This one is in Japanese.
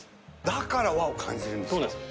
だから和を感じるんですか。